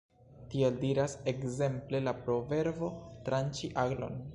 Tiel diras ekzemple la proverbo 'tranĉi aglon'.